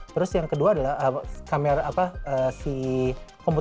terus yang kedua adalah si computer vision ini juga berguna kalau misalnya kita ingin mengambil video ini